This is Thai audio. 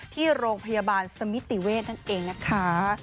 ที่โรงพยาบาลสมิติเวชนั่นเองนะคะ